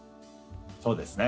そうですね。